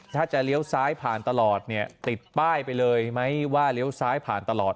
ถ้าจะเลี้ยวซ้ายผ่านตลอดเนี่ยติดป้ายไปเลยไหมว่าเลี้ยวซ้ายผ่านตลอด